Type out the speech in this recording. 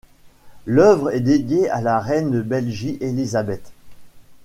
L'œuvre est dédiée à la reine de Belgie Elisabeth.